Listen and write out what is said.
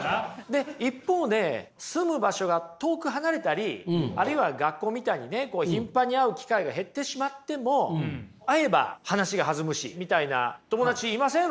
で一方で住む場所が遠く離れたりあるいは学校みたいにね頻繁に会う機会が減ってしまっても会えば話が弾むしみたいな友達いません？